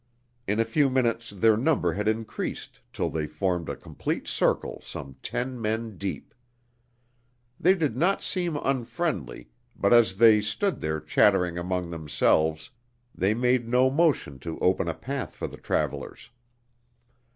In a few minutes their number had increased till they formed a complete circle some ten men deep. They did not seem unfriendly, but as they stood there chattering among themselves they made no motion to open a path for the travelers.